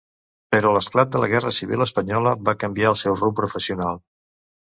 Però l'esclat de la Guerra Civil Espanyola va canviar el seu rumb professional.